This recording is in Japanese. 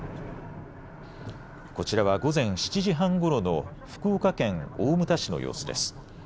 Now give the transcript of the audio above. こちらは午前７時半ごろの福岡県大牟田市の様子です。